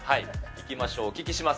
いきましょう、お聞きします。